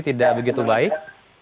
tidak begitu baik